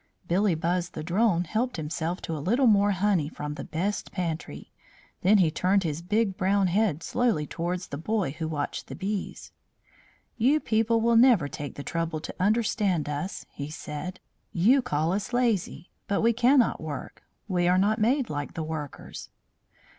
Billybuzz the Drone helped himself to a little more honey from the best pantry; then he turned his big brown head slowly towards the boy who watched the bees. "You people will never take the trouble to understand us," he said. "You call us lazy, but we cannot work. We are not made like the workers."